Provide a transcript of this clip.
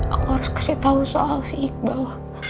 aku harus kasih tahu soal si iqbal